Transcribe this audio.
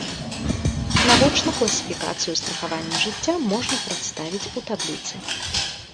Навочна класіфікацыю страхавання жыцця можна прадставіць у табліцы.